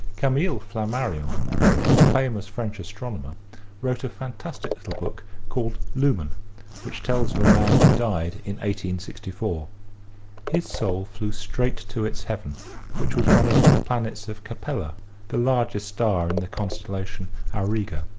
Camille Flammarion, the famous French astronomer, wrote a fantastic little book called " Lumen " which tells of a man who died in 1864. His soul flew straight to its heaven which was one of the planets of Capella, the largest star in the constellation Auriga.